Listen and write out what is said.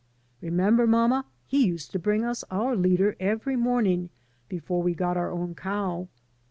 Remember, mamma, he used to bring us our liter every morning before we got our own cow?